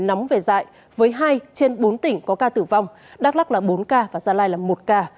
tình hình bệnh dạy với hai trên bốn tỉnh có ca tử vong đắk lắc là bốn ca và gia lai là một ca